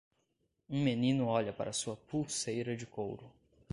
Um menino olha para sua pulseira de couro.